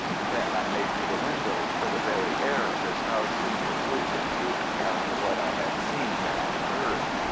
Then I made for the window, for the very air of this house seemed to poison me after what I had seen and heard.